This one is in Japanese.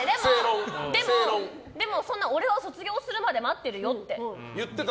でも、俺は卒業するまで待ってるよって。